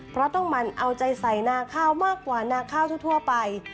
เพราะต้องหมั่นเอาใจใส่นาข้าวมากกว่านาข้าวทั่วไป